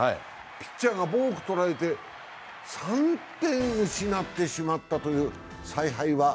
ピッチャーがボークとられて、３点失ってしまったという、采配は。